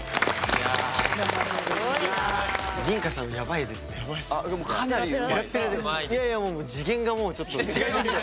いやいやもう次元がもうちょっと違いすぎて。